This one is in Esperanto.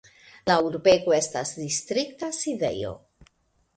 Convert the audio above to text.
La urbego estas distrikta sidejo.